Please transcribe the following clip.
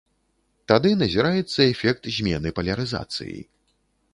Тады назіраецца эфект змены палярызацыі.